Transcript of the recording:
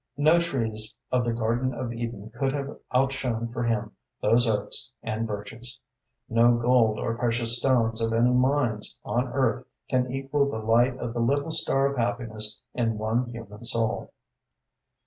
No trees of the Garden of Eden could have outshone for him those oaks and birches. No gold or precious stones of any mines on earth can equal the light of the little star of happiness in one human soul.